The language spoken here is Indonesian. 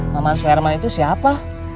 mamansu herman itu siapa